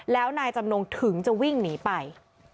แล้วนายจำนงถึงจะวิ่งหนีไป